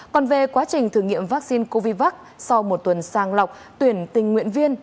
còn về quá trình thử nghiệm vaccine covid sau một tuần sang lọc tuyển tình nguyện viên